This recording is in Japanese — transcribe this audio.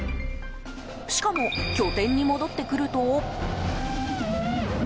しかも、拠点に戻ってくると。